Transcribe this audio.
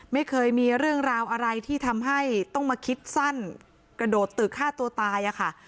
ไม่เคยมีเรื่องราวอะไรที่ทำให้ต้องมาคิดสั้นกระโดดตึกฆ่าตัวตายอะค่ะ